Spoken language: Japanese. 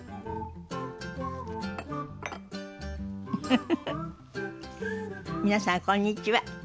フフフフ皆さんこんにちは。